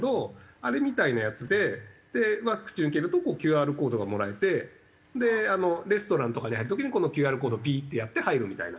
あれみたいなやつでワクチン受けるとＱＲコードがもらえてレストランとかに入る時にこのＱＲコードをピーッてやって入るみたいな。